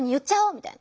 みたいに。